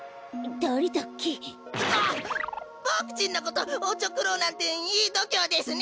ボクちんのことおちょくろうなんていいどきょうですね！